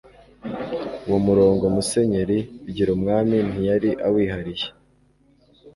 uwo murongo musenyeri bigirumwami ntiyari awihariye